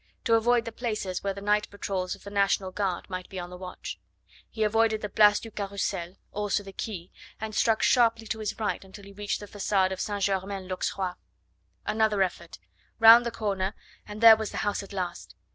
to avoid the places where the night patrols of the National Guard might be on the watch. He avoided the Place du Carrousel, also the quay, and struck sharply to his right until he reached the facade of St. Germain l'Auxerrois. Another effort; round the corner, and there was the house at last.